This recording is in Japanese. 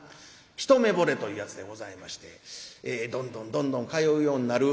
一目ぼれというやつでございましてどんどんどんどん通うようになる。